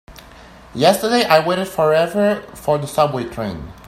Yesterday I waited forever for the subway train.